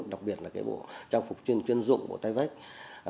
đặc biệt là trang phục chuyên dụng bộ tay vách